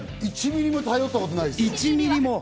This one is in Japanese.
１ミリも頼ったことないです。